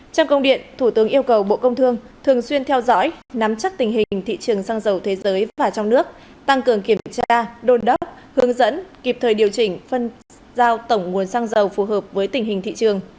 trong công điện thủ tướng yêu cầu bộ công thương thường xuyên theo dõi nắm chắc tình hình thị trường xăng dầu thế giới và trong nước tăng cường kiểm tra đôn đốc hướng dẫn kịp thời điều chỉnh phân giao tổng nguồn xăng dầu phù hợp với tình hình thị trường